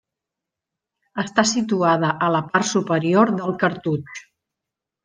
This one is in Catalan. Està situada a la part superior del cartutx.